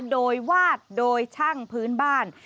โดยวาดโดยช่างพื้นบ้าน